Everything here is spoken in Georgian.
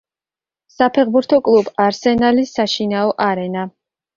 საფეხბურთო კლუბ არსენალის საშინაო არენა.